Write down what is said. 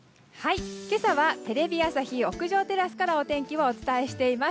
今朝はテレビ朝日屋上テラスからお天気をお伝えしています。